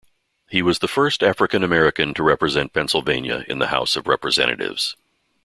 He was the first African American to represent Pennsylvania in the House of Representatives.